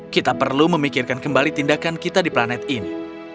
kita perlu memikirkan kembali tindakan kita di planet ini